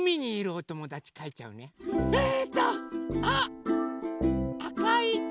えとあっあかい。